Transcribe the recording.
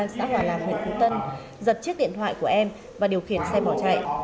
xã hòa lạc huyện phú tân giật chiếc điện thoại của em và điều khiển xe bỏ chạy